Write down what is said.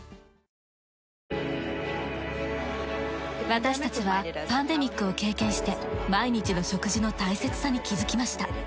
私たちはパンデミックを経験して毎日の食事の大切さに気づきました。